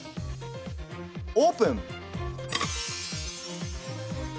オープン！